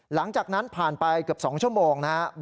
หลังจากนั้นผ่านไปเกือบ๒ชั่วโมงนะครับ